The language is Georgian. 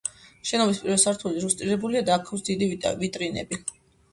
შენობის პირველი სართული რუსტირებულია და აქვს დიდი ვიტრინები.